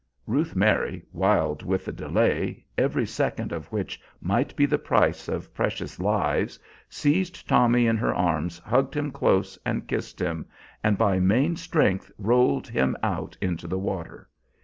Ruth Mary, wild with the delay, every second of which might be the price of precious lives, seized Tommy in her arms, hugged him close and kissed him, and by main strength rolled him out into the water.